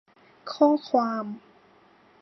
ข้อความ